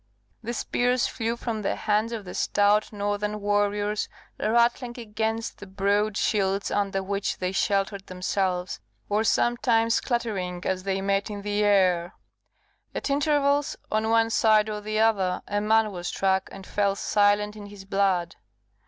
The spears flew from the hands of the stout northern warriors, rattling against the broad shields under which they sheltered themselves, or sometimes clattering as they met in the air; at intervals, on one side or the other, a man was struck, and fell silent in his blood.